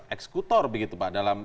eksekutor begitu pak dalam